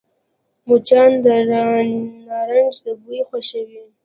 مچان د نارنج بوی خوښوي